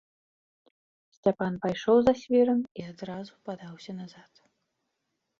Сцяпан пайшоў за свіран і адразу падаўся назад.